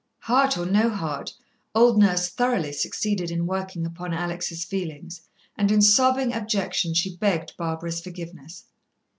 Heart or no heart, old Nurse thoroughly succeeded in working upon Alex' feelings, and in sobbing abjection she begged Barbara's forgiveness.